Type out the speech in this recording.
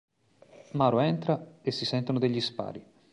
Mauro entra e si sentono degli spari.